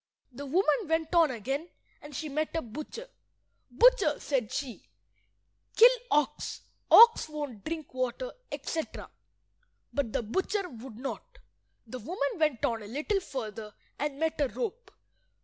The woman went on again, and she met a butcher. "Butcher," said she, "kill ox. Ox won't drink water," etc. But the butcher would not. The woman went on a little further, and met a rope.